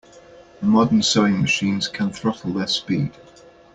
Modern sewing machines can throttle their speed.